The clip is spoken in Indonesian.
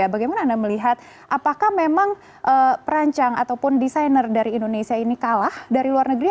bagaimana anda melihat apakah memang perancang ataupun desainer dari indonesia ini kalah dari luar negeri